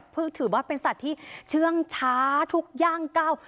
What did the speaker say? เพื่อถือว่าเป็นสัตว์ที่เชื่องช้าทุกย่างเก้า